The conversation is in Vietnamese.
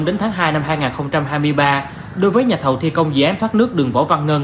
đến tháng hai năm hai nghìn hai mươi ba đối với nhà thầu thi công dự án thoát nước đường võ văn ngân